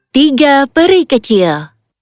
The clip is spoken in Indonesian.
tiga peri kecil